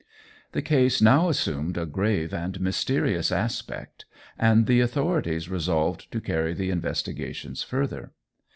The case now assumed a grave and mysterious aspect, and the authorities resolved to carry the investigations further.